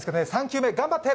３球目、頑張って！